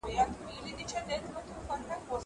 د نجونو ښوونځي باید تل پرانیستي وي.